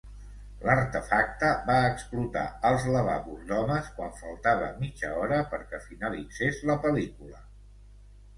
L'artefacte va explotar als lavabos d'homes quan faltava mitja hora perquè finalitzés la pel·lícula.